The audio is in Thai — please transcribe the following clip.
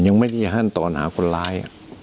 ยังไม่ได้ขั้นตอนหาคนร้าย